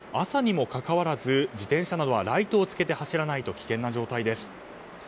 この激しい雨で視界が悪くなって朝にもかかわらず自転車などはライトをつけて走らないと危険な状態です。